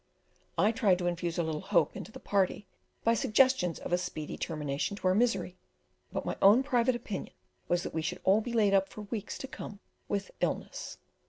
I tried to infuse a little hope into the party, by suggestions of a speedy termination to our misery, but my own private opinion was that we should all be laid up for weeks to come with illness.